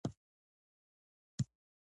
د ودانۍ په سر کې یو عبادت ځای جوړ شوی و.